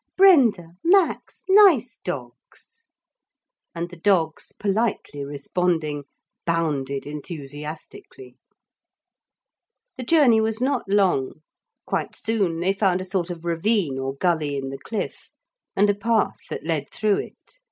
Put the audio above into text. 'Brenda! Max! Nice dogs!' And the dogs politely responding, bounded enthusiastically. The journey was not long. Quite soon they found a sort of ravine or gully in the cliff, and a path that led through it.